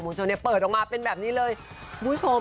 ก็พึ่งน่าจะโปรโมทวันนี้เลยป่ะคะ